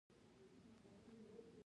غنم او وربشې اصلي فصلونه وو